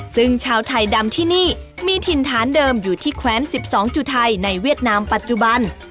ซึ่งชาวไทยดำที่นี่มีถิ่นฐานเดิมอยู่ที่แควน๑๒จุดไทยในเวียดนามปัจจุบัน